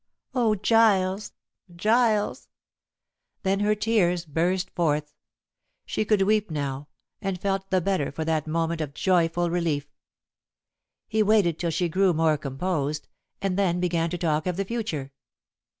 "Oh, Giles, Giles!" Then her tears burst forth. She could weep now, and felt the better for that moment of joyful relief. He waited till she grew more composed, and then began to talk of the future.